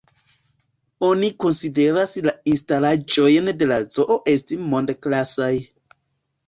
Oni konsideras la instalaĵojn de la zoo esti mond-klasaj.